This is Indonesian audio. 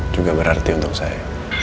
juga berarti untuk saya